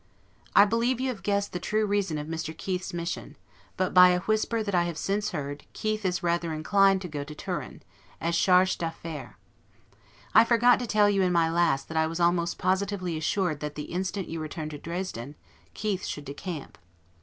I believe you have guessed the true reason of Mr. Keith's mission; but by a whisper that I have since heard, Keith is rather inclined to go to Turin, as 'Charge d'Affaires'. I forgot to tell you, in my last, that I was almost positively assured that the instant you return to Dresden, Keith should decamp.